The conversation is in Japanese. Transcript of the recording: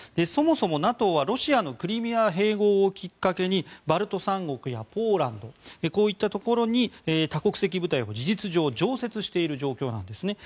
そもそもＮＡＴＯはロシアのクリミア併合をきっかけにバルト三国やポーランドこういったところに多国籍部隊を事実上、常設している状況です。